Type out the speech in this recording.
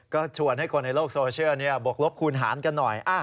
ก็ชวนให้คนในโลกโซเชียลบวกลบคูณหารกันหน่อย